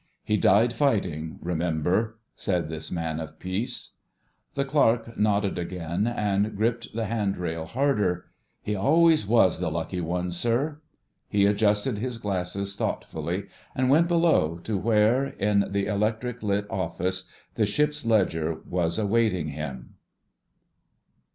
"He died fighting, remember," said this man of peace. The Clerk nodded again, and gripped the hand rail harder. "He always was the lucky one, sir." He adjusted his glasses thoughtfully, and went below to where, in the electric lit office, the ship's Ledger was awaiting him.